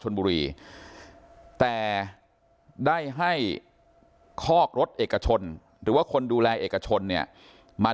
ชนบุรีแต่ได้ให้คอกรถเอกชนหรือว่าคนดูแลเอกชนเนี่ยมา